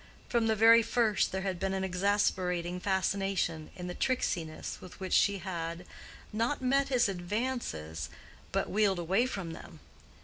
From the very first there had been an exasperating fascination in the tricksiness with which she had—not met his advances, but—wheeled away from them.